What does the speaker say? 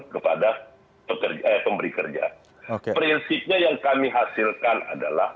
kepada pekerja pemberi kerja prinsipnya yang kami hasilkan adalah